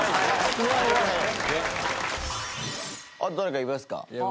あと誰かいますか？